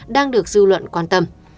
đang được dư luận quan tâm